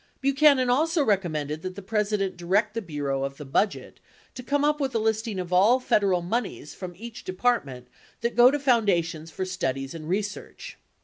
74 Buchanan also recommended that the President direct the Bureau of the Budget "to come up with a listing of all Federal moneys from each department that go to foundations for studies and research."